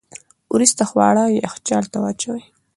وروسته خواړه یخچال ته واچوئ.